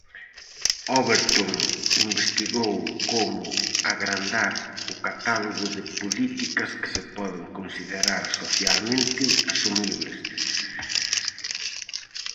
Overton investigou como agrandar o catálogo de políticas que se poden considerar socialmente asumibles.